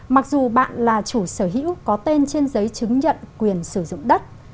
mặc dù bạn là chủ sở hữu có tên trên giấy chứng nhận quyền sử dụng đất